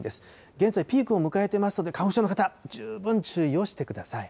現在、ピークを迎えていますので、花粉症の方、十分注意をしてください。